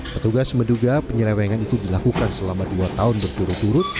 petugas menduga penyelewengan itu dilakukan selama dua tahun berturut turut